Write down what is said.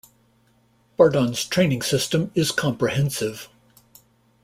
Bardon's training system is comprehensive.